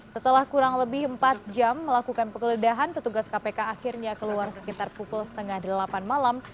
setelah kurang lebih empat jam melakukan penggeledahan petugas kpk akhirnya keluar sekitar pukul setengah delapan malam